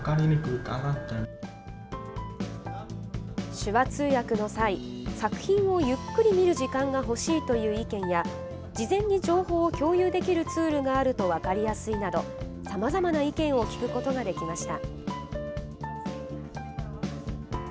手話通訳の際作品をゆっくり見る時間が欲しいという意見や事前に情報を共有できるツールがあると、分かりやすいなどさまざまな意見を聞くことができました。